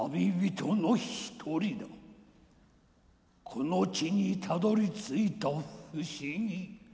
この地にたどりついた不思議。